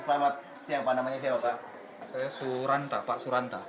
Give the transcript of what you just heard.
saya suranta pak suranta